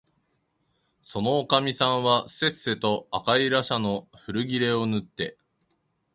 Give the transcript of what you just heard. そのおかみさんはせっせと赤いらしゃの古切れをぬって、